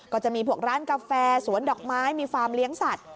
ก็จะมีพวกร้านกาแฟสวนดอกไม้มีฟาร์มเลี้ยงสัตว